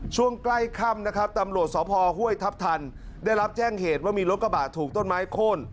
ช่วงใกล้ค่ำนะครับตำรวจสพห้วยทัพทันได้รับแจ้งเหตุว่ามีรถกระบะถูกต้นไม้โค้น